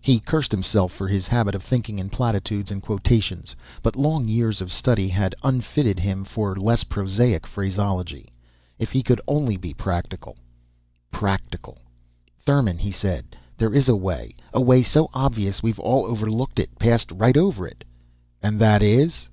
He cursed himself for his habit of thinking in platitudes and quotations, but long years of study had unfitted him for less prosaic phraseology. If he could only be practical. Practical. "Thurmon," he said. "There is a way. A way so obvious, we've all overlooked it passed right over it." "And that is